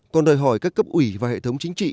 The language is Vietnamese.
còn đòi hỏi các cấp ủy và hệ thống chính trị